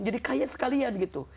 jadi kaya sekalian gitu